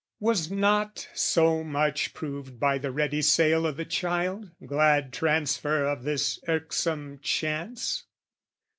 Was not so much proved by the ready sale O' the child, glad transfer of this irksome chance?